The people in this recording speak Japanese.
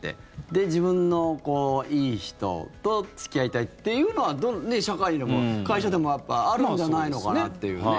で、自分のいい人と付き合いたいっていうのは社会でも、会社でもあるんじゃないのかなっていう。